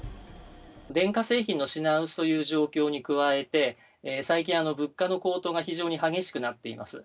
電化製品の品薄という状況に加えて、最近、物価の高騰が非常に激しくなっています。